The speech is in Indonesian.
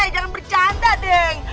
jangan bercanda deng